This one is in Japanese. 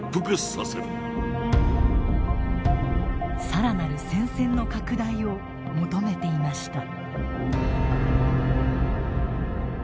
更なる戦線の拡大を求めていました。